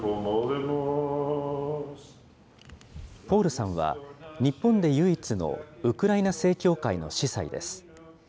ポールさんは、日本で唯一のウクライナ正教会の司祭です。